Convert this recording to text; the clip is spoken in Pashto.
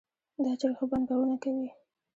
دا چرګ ښه بانګونه کوي